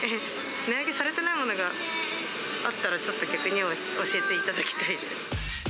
値上げされていないものがあったら、ちょっと逆に教えていただきたいです。